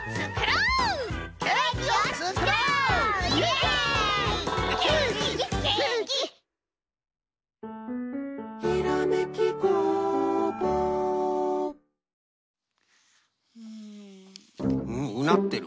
うんうなってる。